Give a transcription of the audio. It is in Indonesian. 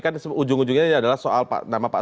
kan ujung ujungnya adalah soal nama pak